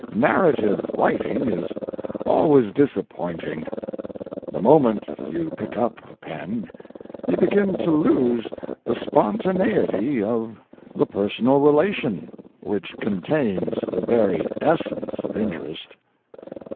Narrative writing is always disappointing. The moment you pick up a pen you begin to lose the spontaneity of the personal relation, which contains the very essence of interest.